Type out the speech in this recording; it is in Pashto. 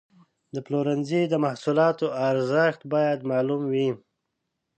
د پلورنځي د محصولاتو ارزښت باید معلوم وي.